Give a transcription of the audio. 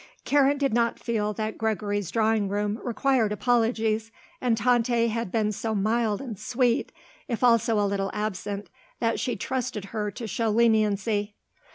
Karen did not feel that Gregory's drawing room required apologies and Tante had been so mild and sweet, if also a little absent, that she trusted her to show leniency.